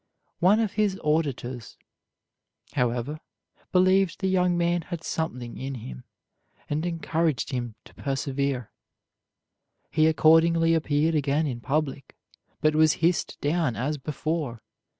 One of his auditors, however, believed the young man had something in him, and encouraged him to persevere. He accordingly appeared again in public, but was hissed down as before.